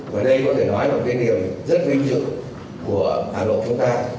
và đây có thể nói là một cái niềm rất vinh dự của hà nội chúng ta